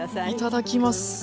いただきます。